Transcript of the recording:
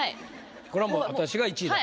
これはもう私が１位だと。